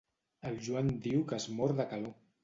El Joan diu que es mor de calor.